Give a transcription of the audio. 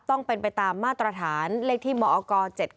ต้องเป็นไปตามมาตรฐานเลขที่มอก๗๗